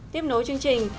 tiếp nối chương trình